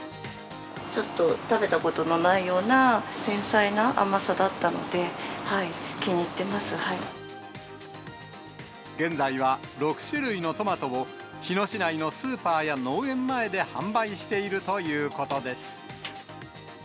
ちょっと食べたことのないような繊細な甘さだったので、現在は６種類のトマトを、日野市内のスーパーや農園前で、販売しているということです。